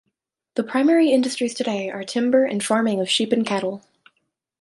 The primary industries today are timber and farming of sheep and cattle.